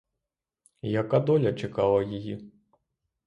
Яка доля чекала її?